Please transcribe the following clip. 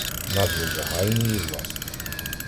Назви загальні і власні